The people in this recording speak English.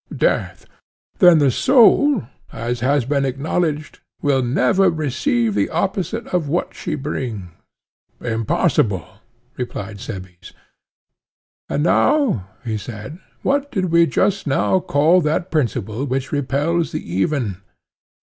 Death. Then the soul, as has been acknowledged, will never receive the opposite of what she brings. Impossible, replied Cebes. And now, he said, what did we just now call that principle which repels the even?